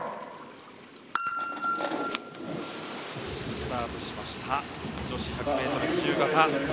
スタートしました女子１００ｍ自由形。